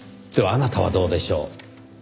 ではあなたはどうでしょう？